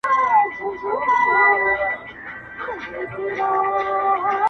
خو زاړه کيسې لا هم اوري-